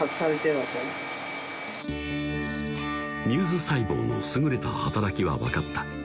Ｍｕｓｅ細胞の優れた働きは分かった